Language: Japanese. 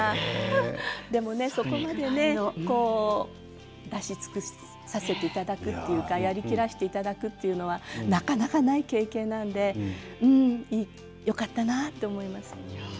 でもね、そこまでね出し尽くさせていただくやりきらせていただくというのはなかなかない経験なのでよかったなって思います。